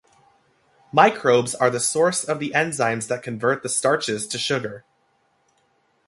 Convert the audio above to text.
Microbes are the source of the enzymes that convert the starches to sugar.